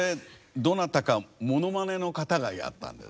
どなたかモノマネの方がやったんです。